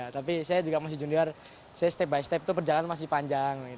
tapi saya juga masih junior saya step by step itu perjalanan masih panjang